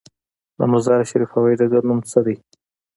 د مزار شریف هوايي ډګر نوم څه دی؟